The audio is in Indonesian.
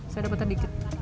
saya dapet sedikit